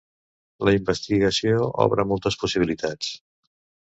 La investigació obre moltes possibilitats.